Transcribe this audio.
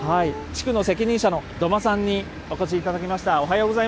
地区の責任者のどまさんにお越しいただきました。